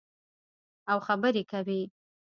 او خبرې کوي.